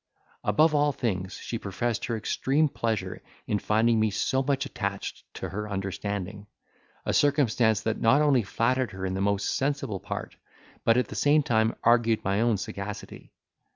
Above all things, she professed her extreme pleasure in finding me so much attached to her understanding, a circumstance that not only flattered her in the most sensible part, but at the same time argued my own sagacity.